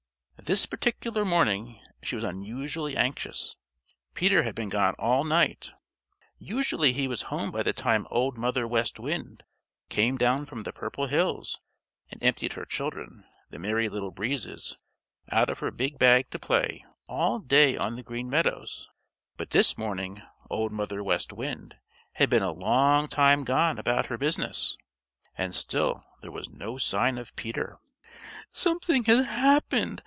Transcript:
This particular morning she was unusually anxious. Peter had been gone all night. Usually he was home by the time Old Mother West Wind came down from the Purple Hills and emptied her children, the Merry Little Breezes, out of her big bag to play all day on the Green Meadows, but this morning Old Mother West Wind had been a long time gone about her business, and still there was no sign of Peter. "Something has happened.